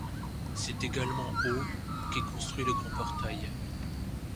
C’est également au qu’est construit le grand portail.